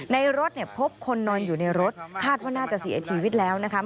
รถเนี่ยพบคนนอนอยู่ในรถคาดว่าน่าจะเสียชีวิตแล้วนะคะ